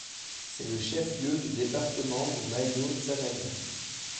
C'est le chef-lieu du département du Mayo-Tsanaga.